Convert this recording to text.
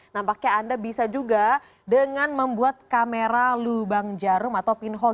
nampaknya anda bisa juga dengan membuat kamera lubang jarum atau pin hall